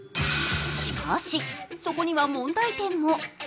しかし、そこには問題点も。